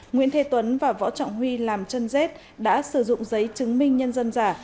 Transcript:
nguyễn thế tuấn và võ trọng huy làm chân dết đã sử dụng giấy chứng minh nhân dân giả